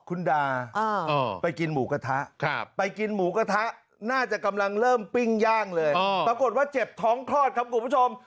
คุณดาไปกินหมูกระทะไปกินหมูกระทะน่าจะกำลังเริ่มปิ้งย่างเลยปรากฏว่าเจ็บท้องคลอดครับคุณผู้ชม